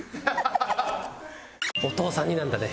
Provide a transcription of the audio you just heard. お父さん似なんだね。